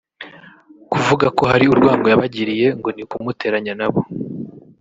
kuvuga ko hari urwango yabagiriye ngo ni ukumuteranya nabo